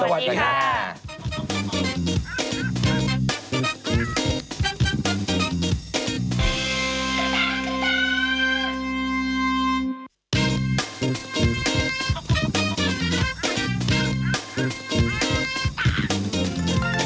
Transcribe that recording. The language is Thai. วันนี้ลาไปก่อนนะคะ